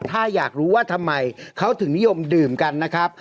ถ้าอยากรู้ว่าทำไมเขาถึงนิยมดื่มกันนะครับ